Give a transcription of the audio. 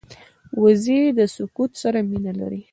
وزې د سکوت سره مینه لري